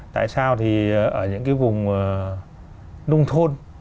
tại sao thì ở những cái vùng nông thôn